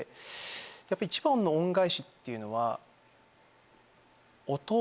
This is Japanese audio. やっぱり一番の恩返しっていうのは。